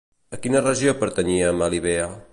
A quina regió pertanyia Melibea?